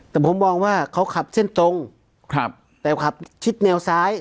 แต่ผมมองว่าเขาขับเส้นตรงครับแต่ขับชิดแนวซ้าย